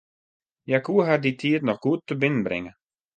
Hja koe har dy tiid noch goed tebinnenbringe.